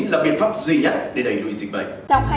là biện pháp duy nhất để đẩy lùi dịch bệnh